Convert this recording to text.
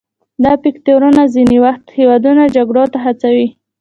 دا فکتورونه ځینې وخت هیوادونه جګړو ته هڅوي